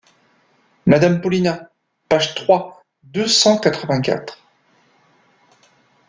Madame Paulina! page trois deux cent quatre-vingt-quatre.